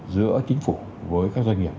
giữa chính phủ với các doanh nghiệp